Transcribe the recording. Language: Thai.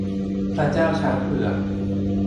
พระเจ้าช้างเผือก